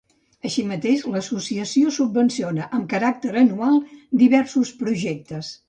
Així mateix, l'associació subvenciona amb caràcter anual diversos projectes.